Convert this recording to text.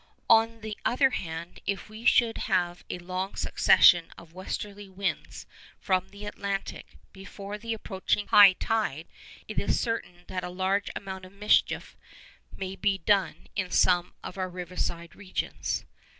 On the other hand, if we should have a long succession of westerly winds from the Atlantic before the approaching high tide, it is certain that a large amount of mischief may be done in some of our riverside regions.